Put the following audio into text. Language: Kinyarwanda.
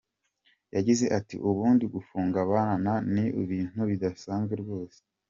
Yagize ati “Ubundi gufunga abana ni ibintu bidasanzwe rwose.